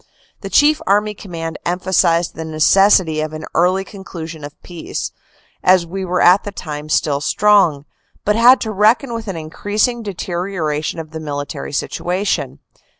The Chief Army Command emphasized the necessity of an early conclusion of peace, as we were at the time still strong, but had to reckon with an increas ing deterioration of the military situation.